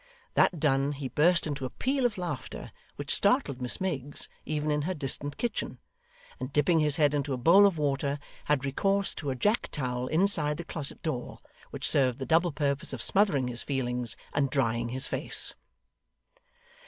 That done, he burst into a peal of laughter which startled Miss Miggs even in her distant kitchen, and dipping his head into a bowl of water, had recourse to a jack towel inside the closet door, which served the double purpose of smothering his feelings and drying his face.